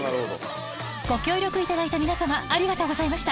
ご協力いただいた皆様ありがとうございました